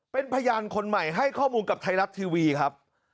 เป็นพยานคนใหม่ให้ข้อมูลกับไทยรัฐทีวีครับ